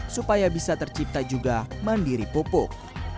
supaya bisa tercipta juga mandiri pupuk